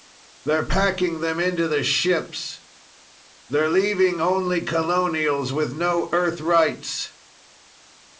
They're packing them into the ships. They're leaving only colonials with no Earth rights.